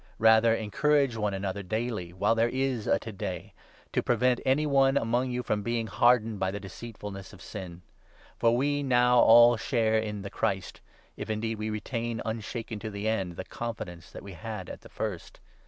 Rather encourage one another daily— while there is a ' To day '— to prevent any one among you from being hardened by the deceitfulness of Sin. For we now all share in the Christ, if indeed we retain, unshaken to the end, the confidence that we had at the first.